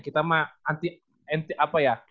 kita mah anti apa ya